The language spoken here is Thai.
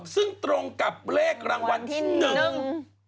ซึ่งตรงกับเลขรางวัลที่หนึ่ง